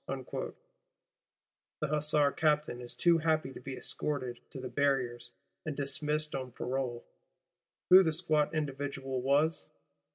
the Hussar Captain is too happy to be escorted to the Barriers, and dismissed on parole. Who the squat individual was?